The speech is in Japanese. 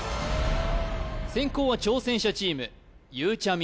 先攻は挑戦者チームゆうちゃみ